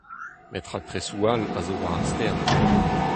Met raktresoù all a zo war ar stern.